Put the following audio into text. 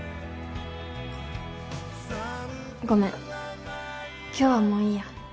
ごめん今日はもういいや。